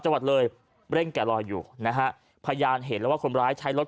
จังหวัดเลยเร่งแก่รอยอยู่นะฮะพยานเห็นแล้วว่าคนร้ายใช้รถ